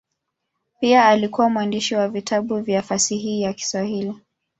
Pia alikuwa mwandishi wa vitabu vya fasihi ya Kiswahili.